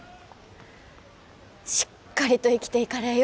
しっかりと生きていかれえよ。